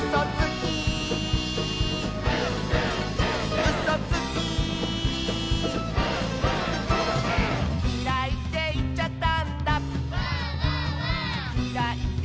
「きらいっていっちゃったんだ」